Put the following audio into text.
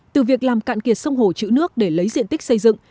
từ việc làm cạn kiệt sông hồ chữ nước để lấy diện tích xây dựng